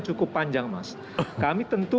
cukup panjang mas kami tentu